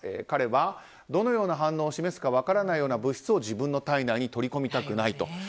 彼は、どのような反応を示すか分からないような物質を自分の体内に取り込みたくない。